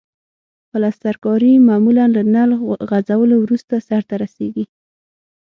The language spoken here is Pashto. پلسترکاري معمولاً له نل غځولو وروسته سرته رسیږي.